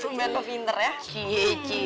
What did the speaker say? sumbernya pinter ya